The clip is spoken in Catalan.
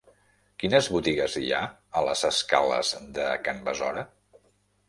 Quines botigues hi ha a les escales de Can Besora?